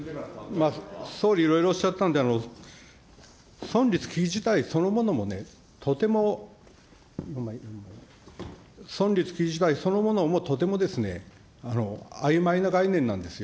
総理いろいろおっしゃったんで、存立危機事態そのものもね、とても、存立危機事態そのものもとてもあいまいな概念なんですよ。